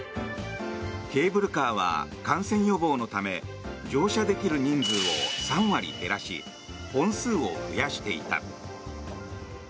ケーブルカーは感染予防のため乗車できる人数を３割減らし本数を増やしていた。